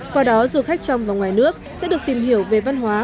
qua đó du khách trong và ngoài nước sẽ được tìm hiểu về văn hóa